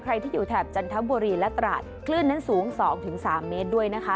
ใครที่อยู่แถบจันทบุรีและตราดคลื่นนั้นสูง๒๓เมตรด้วยนะคะ